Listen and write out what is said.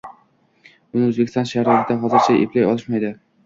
buni O‘zbekiston sharoitida hozircha eplay olishmaydi».